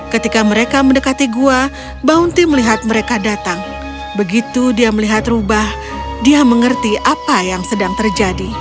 ketika mereka mendekati gua bounty melihat mereka datang begitu dia melihat rubah dia mengerti apa yang sedang terjadi